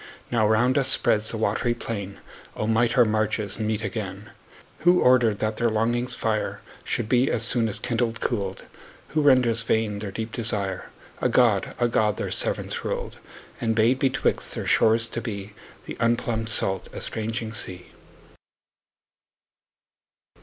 Now round us spreads the watery plain— O might our marges meet again! Who order'd that their longing's fire Should be, as soon as kindled, cool'd? 20 Who renders vain their deep desire?— A God, a God their severance ruled; And bade betwixt their shores to be The unplumb'd, salt, estranging sea.